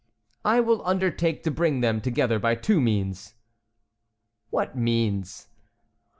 "I will undertake to bring them together by two means." "What means?"